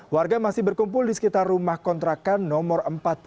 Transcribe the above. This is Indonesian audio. warga masih berkumpul di sekitar rumah kontrakan nomor empat puluh